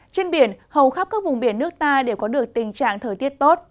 trên biển hầu khắp các vùng biển nước ta đều có được tình trạng thời tiết tốt